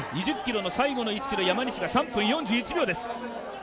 ２０ｋｍの最後の１ｋｍ山西が３分４１秒です。